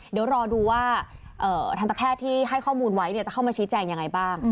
เดี๋ยวรอดูว่าทันตแพทย์ที่ให้ข้อมูลไว้จะเข้ามาชี้แจงยังไงบ้าง